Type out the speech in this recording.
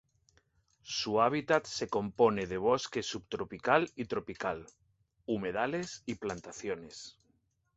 Su hábitat se compone de bosque subtropical y tropical, humedales, y plantaciones.